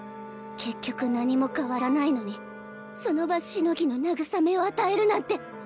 結局何も変わらないのにその場しのぎの慰めを与えるなんて。